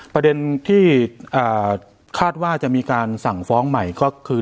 ประเด็นที่คาดว่าจะมีการสั่งฟ้องใหม่ก็คือ